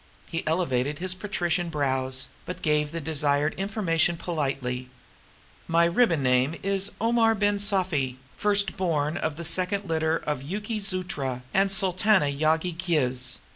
He elevated his patrician brows, but gave the desired information politely: "My ribbon name is Omar Ben Sufi, first born of the second litter of Yiki Zootra and Sultana Yaggi Kiz.